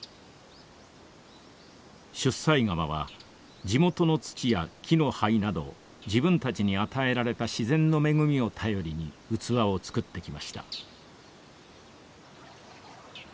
出西窯は地元の土や木の灰など自分たちに与えられた自然の恵みを頼りに器を作ってきました。